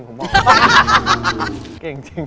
ก็ได้เห็น